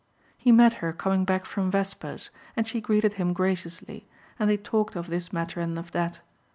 He met her coming back from vespers, and she greeted him graciously, and they talked of this matter and of that.